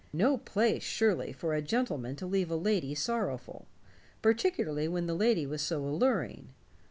No place, surely, for a gentleman to leave a lady sorrowful, particularly when the lady was so alluring.